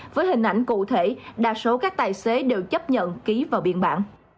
với hình ảnh cụ thể đa số các tài xế đều chấp nhận ký vào biên bản